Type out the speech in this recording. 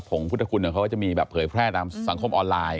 งพุทธคุณเขาก็จะมีแบบเผยแพร่ตามสังคมออนไลน์